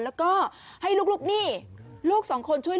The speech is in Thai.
แล้วก็ให้ลูกนี่